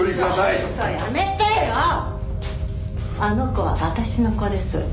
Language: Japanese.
あの子は私の子です。